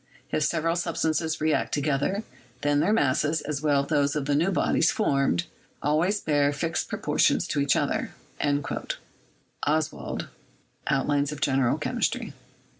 If several substances react together, then their masses, as well as those of the new bodies formed, always bear fixed proportions to each other." (Ostwald, "Outlines of General Chemistry.")